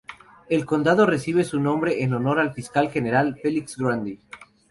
El condado recibe su nombre en honor al Fiscal General Felix Grundy.